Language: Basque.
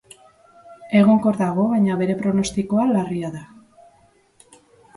Egonkor dago, baina bere pronostikoa larria da.